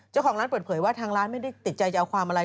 เจ้าของร้านเปิดเผยว่าทางร้านไม่ได้ติดใจจะเอาความอะไร